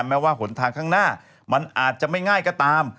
แม้ว่าหนทางข้างหน้ามันอาจจะไม่ง่ายก็ตาม